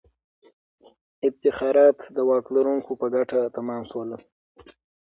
افتخارات د واک لرونکو په ګټه تمام سول.